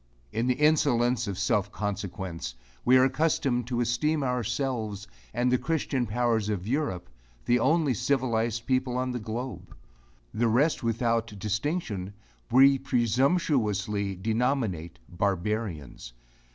In the insolence of self consequence, we are accustomed to esteem ourselves and the Christian powers of Europe, the only civilized people on the globe; the rest without distinction, we presumptuously denominate barbarians.